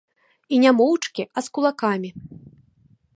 І не моўчкі, а з кулакамі.